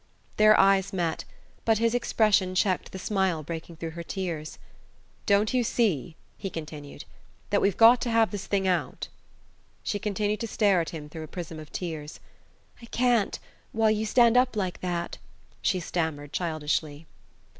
Their eyes met, but his expression checked the smile breaking through her tears. "Don't you see," he continued, "that we've got to have this thing out?" She continued to stare at him through a prism of tears. "I can't while you stand up like that," she stammered, childishly.